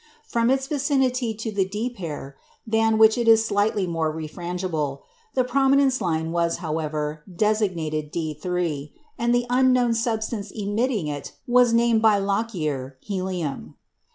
From its vicinity to the D pair (than which it is slightly more refrangible), the prominence line was, however, designated D_3, and the unknown substance emitting it was named by Lockyer "helium."